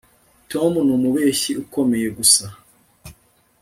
Tom numubeshyi ukomeye gusa